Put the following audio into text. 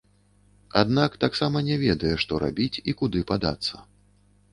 Аднак таксама не ведае, што рабіць і куды падацца.